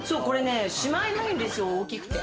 しまえないんですよ、大きくて。